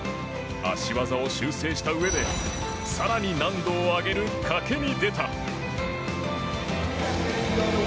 脚技を修正したうえで更に難度を上げる賭けに出た。